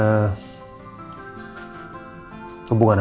aku bisa mencari tahu alamat rumahnya